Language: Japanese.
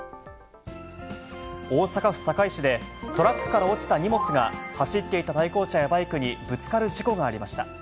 大阪府堺市で、トラックから落ちた荷物が、走っていた対向車やバイクにぶつかる事故がありました。